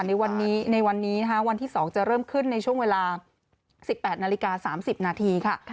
ในวันนี้วันที่๒จะเริ่มขึ้นในช่วงเวลา๑๘นาฬิกา๓๐นาทีค่ะ